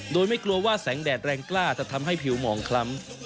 โดยไม่กลัวว่าแสงแดดแรงกล้าจะทำให้ผิวหมองคล้ำ